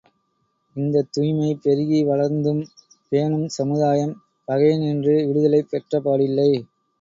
இந்தத் துய்மை பெருகி வளர்ந்தும், பேணும் சமுதாயம் பகையினின்றும் விடுதலை பெற்றபாடில்லை.